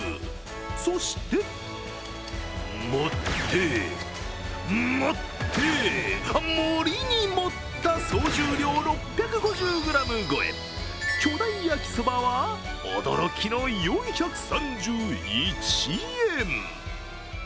そして、盛って、盛って、盛りに盛った総重量６５０ｇ超え、巨大焼きそばは、驚きの４３１円！